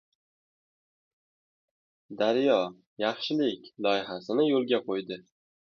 “Daryo” “Yaxshilik” loyihasini yo‘lga qo‘ydi